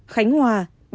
khánh hòa ba mươi